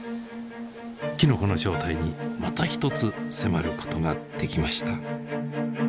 きのこの正体にまた一つ迫ることができました。